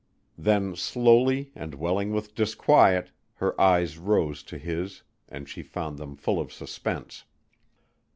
Then slowly and welling with disquiet, her eyes rose to his and she found them full of suspense.